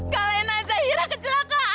kalian aja jahira kecelakaan kak